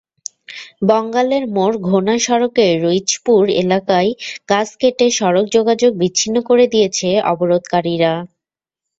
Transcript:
বঙ্গালের মোড়-ঘোনা সড়কের রইচপুর এলাকায় গাছ কেটে সড়ক যোগাযোগ বিচ্ছিন্ন করে দিয়েছে অবরোধকারীরা।